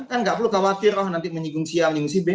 kan nggak perlu khawatir roh nanti menyinggung si a menyinggung si b